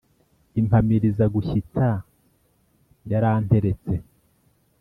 Impamirizagushyitsa yaranteretse